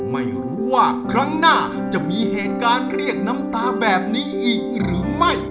ไม่รู้ว่าครั้งหน้าจะมีเหตุการณ์เรียกน้ำตาแบบนี้อีกหรือไม่